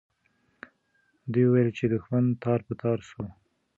دوی وویل چې دښمن تار په تار سو.